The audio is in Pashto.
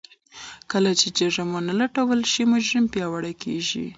کله چې جرم ونه رټل شي مجرم پياوړی کېږي.